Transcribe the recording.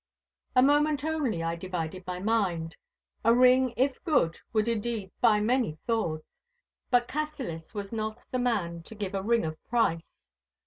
A moment only I divided my mind. A ring, if good, would indeed buy many swords. But Cassillis was not the man to give a ring of price.